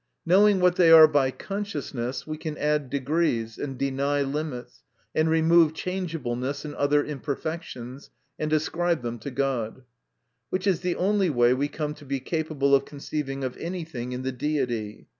Knowing what they are by consciousness, we can add degrees, and deny limits, and remove changeableness and other imper fections, and ascribe them to God. Which is the only way we come to be ca pable of conceiving of any thing in the Deity.